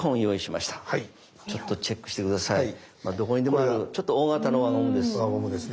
どこにでもあるちょっと大型の輪ゴムです。